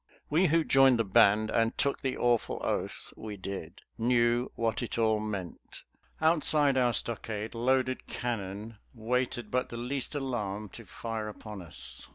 We who joined the "Band," and took the awful oath we did, knew what it all meant. Outside our stockade loaded cannon waited but the least alarm to fire upon us.